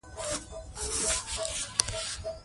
تاسو ولې سخت خج نه وکاروئ؟